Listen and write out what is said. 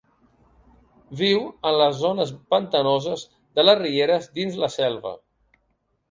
Viu en les zones pantanoses de les rieres dins la selva.